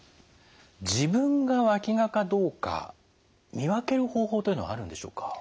自分がわきがかどうか見分ける方法というのはあるんでしょうか？